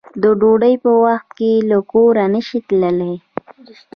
د ډوډۍ په وخت کې له کوره نشې تللی